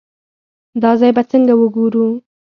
دا ځای به څنګه وګورو.